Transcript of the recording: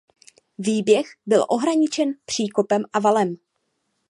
Výběh byl ohraničen příkopem a valem.